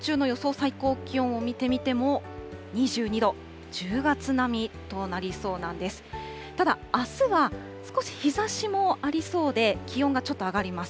最高気温を見てみても、２２度、１０月並みとなりそうなんです。